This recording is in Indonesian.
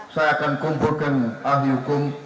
saya akan kumpulkan ahli hukum